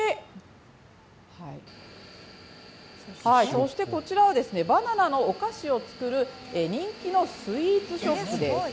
そして、こちらはバナナのお菓子を作る人気のスイーツショップです。